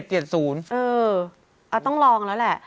ต้องลองแล้วแหละ